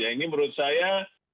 ini menurut saya